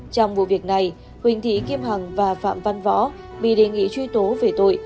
trong vụ việc này huỳnh thị kim hằng và phạm văn võ bị đề nghị truy tố về tội